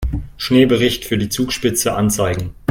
Schneebericht für die Zugspitze anzeigen.